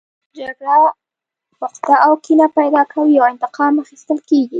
جګړه عقده او کینه پیدا کوي او انتقام اخیستل کیږي